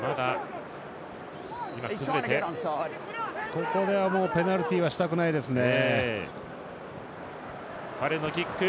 ここではもうペナルティはしたくないですね。